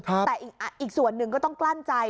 แต่อีกส่วนหนึ่งก็ต้องกลั้นใจ